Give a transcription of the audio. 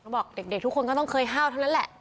บอกเด็กทุกคนก็ต้องเคยห้าวเท่านั้นแหละ